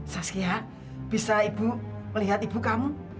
saskia bisa ibu melihat ibu kamu